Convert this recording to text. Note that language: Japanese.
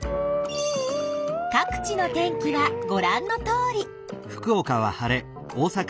各地の天気はごらんのとおり。